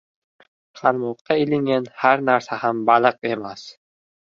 • Qarmoqqa ilingan har narsa ham baliq emas.